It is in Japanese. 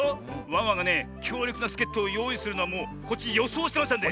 ワンワンがねきょうりょくなすけっとをよういするのはもうこっちよそうしてましたんで。